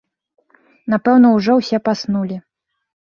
Напэўна ўжо ўсе паснулі.